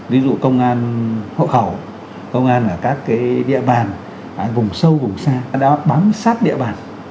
ví dụ công an hộ khẩu công an ở các địa bàn vùng sâu vùng xa đã bám sát địa bàn